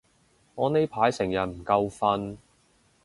我呢排成日唔夠瞓